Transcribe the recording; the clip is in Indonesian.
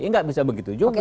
nggak bisa begitu juga